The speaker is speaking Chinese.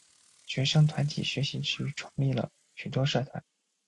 学生团体学习之余创立了许多社团。